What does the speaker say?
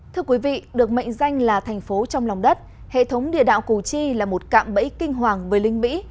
thưa quý vị được mệnh danh là thành phố trong lòng đất hệ thống địa đạo củ chi là một cạm bẫy kinh hoàng với lính mỹ